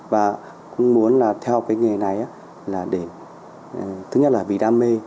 và muốn theo cái nghề này là để thứ nhất là vì đam mê